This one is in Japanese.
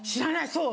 そう？